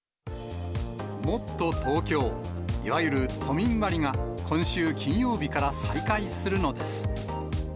もっとＴｏｋｙｏ、いわゆる都民割が、今週金曜日から再開するのです。